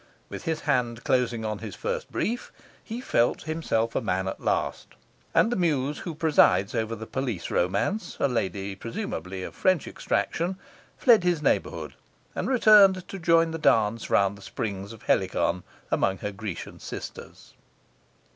With his hand closing on his first brief, he felt himself a man at last; and the muse who presides over the police romance, a lady presumably of French extraction, fled his neighbourhood, and returned to join the dance round the springs of Helicon, among her Grecian sisters.